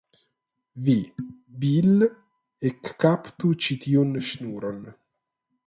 Vi, Bil, ekkaptu ĉi tiun ŝnuron.